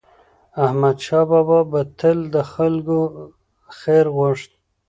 احمدشاه بابا به تل د خلکو خیر غوښت.